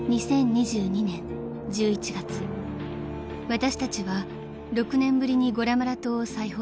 ［私たちは６年ぶりにゴラマラ島を再訪しました］